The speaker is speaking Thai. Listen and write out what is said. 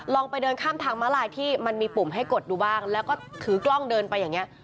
ไปเดินข้ามทางม้าลายที่มันมีปุ่มให้กดดูบ้างแล้วก็ถือกล้องเดินไปอย่างนี้